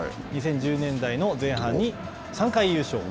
２０１０年代の前半に３回優勝。